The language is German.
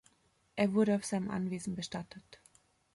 Er wurde auf seinem Anwesen bestattet.